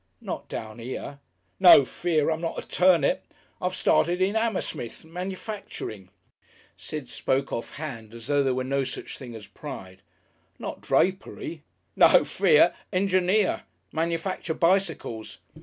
"Not down here?" "No fear! I'm not a turnip. I've started in Hammersmith, manufacturing." Sid spoke offhand as though there was no such thing as pride. "Not drapery?" "No fear! Engineer. Manufacture bicycles."